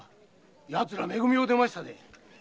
やつら「め組」を出ましたぜ。